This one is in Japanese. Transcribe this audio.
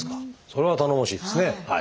それは頼もしいですね。